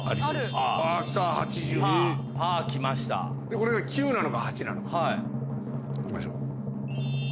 これが９なのか８なのか行きましょう。